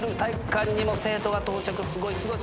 すごいすごい。